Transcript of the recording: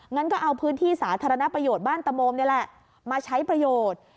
งั้นก็เอาพื้นที่สาธารณประโยชน์บ้านตะโมมนี่แหละมาใช้ประโยชน์